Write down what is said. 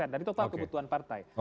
dari total kebutuhan partai